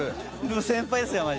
先輩ですよマジ。